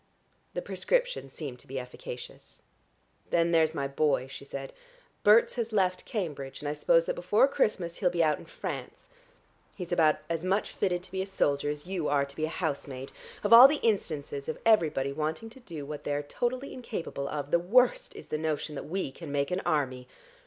The prescription seemed to be efficacious. "Then there's my boy," she said. "Berts has left Cambridge and I suppose that before Christmas he'll be out in France. He's about as much fitted to be a soldier as you are to be a housemaid. Of all the instances of everybody wanting to do what they are totally incapable of, the worst is the notion that we can make an army.